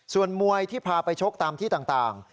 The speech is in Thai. ส่วนมวยที่พาไปชกตามที่ต่าง